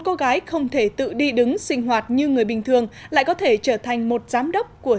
cô gái không thể tự đi đứng sinh hoạt như người bình thường lại có thể trở thành một giám đốc của